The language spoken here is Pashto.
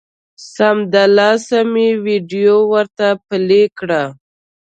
سمدلاسه مې ویډیو ورته پلې کړه